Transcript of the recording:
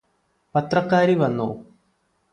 പത്രക്കാരി വന്നോ